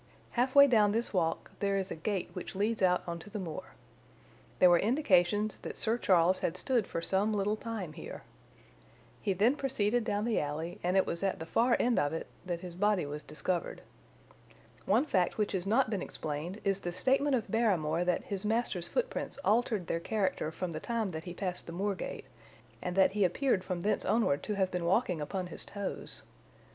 Halfway down this walk there is a gate which leads out on to the moor. There were indications that Sir Charles had stood for some little time here. He then proceeded down the alley, and it was at the far end of it that his body was discovered. One fact which has not been explained is the statement of Barrymore that his master's footprints altered their character from the time that he passed the moor gate, and that he appeared from thence onward to have been walking upon his toes.